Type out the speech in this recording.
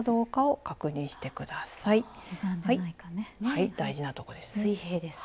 はい大事なとこです。